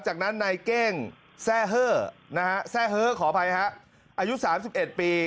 จากนั้นนายเก้งแทร่เฮอนะฮะแทร่เฮอขออภัยฮะอายุสามสิบเอ็ดปี